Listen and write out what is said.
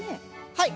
はい。